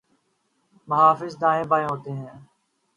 محافظ دائیں بائیں ہوتے ہیں۔